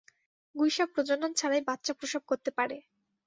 গুইসাপ প্রজনন ছাড়াই বাচ্চা প্রসব করতে পারে।